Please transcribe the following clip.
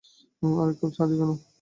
আরেক কাপ চা দেবেনা?